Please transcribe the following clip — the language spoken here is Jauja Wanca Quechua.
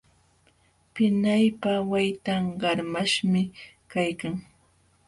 Pinawpa waytan qarmaśhmi kaykan.